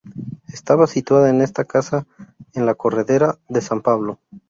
Estaba situada esta casa en la Corredera de San Pablo.